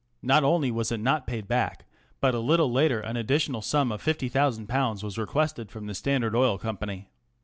Not only was it not paid back, but a little later an additional sum of ,┬Ż50,000 was requested from the Standard Oil Company.